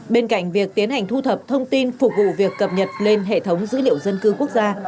bên cạnh việc tiến hành thu thập thông tin phục vụ việc cập nhật lên hệ thống dữ liệu dân cư quốc gia